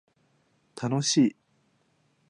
楽しい